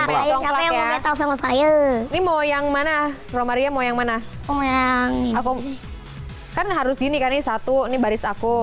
ini mau yang mana romaria mau yang mana oh ya aku kan harus gini kali satu ini baris aku